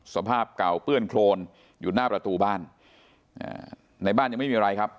สภาพเก่าเปื้อนโครนอยู่หน้าประตูบ้านในบ้านยังไม่มีอะไรครับ